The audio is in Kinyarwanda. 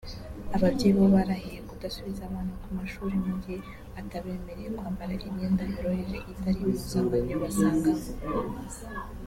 Ababyeyi bo barahiye kudasubiza abana ku mashuri mu gihe atabemereye kwambara imyenda yoroheje itari impuzankano basanganywe